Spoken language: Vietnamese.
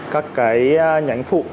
các cái nhánh phụ